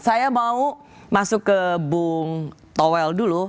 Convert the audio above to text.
saya mau masuk ke bung towel dulu